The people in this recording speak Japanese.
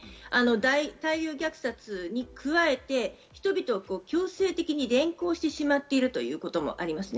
大量虐殺に加えて人々を強制的に連行してしまっているということもあります。